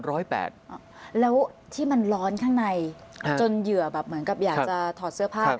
แล้วที่มันร้อนข้างในจนเหยื่อแบบเหมือนกับอยากจะถอดเสื้อผ้า